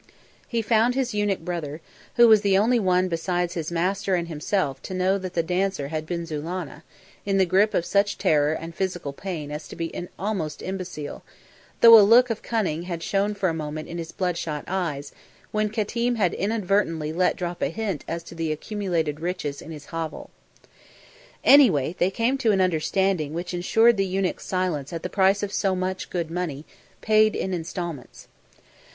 He found his eunuch brother, who was the only one besides his master and himself to know that the dancer had been Zulannah, in the grip of such terror and physical pain as to be almost imbecile, though a look of cunning had shone for a moment in his bloodshot eyes when Qatim had inadvertently let drop a hint as to the accumulated riches in his hovel. Anyway, they came to an understanding which ensured the eunuch's silence at the price of so much good money, paid in instalments.